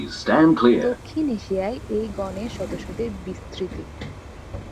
দক্ষিণ এশিয়ায় এই গণের সদস্যদের বিস্তৃতি।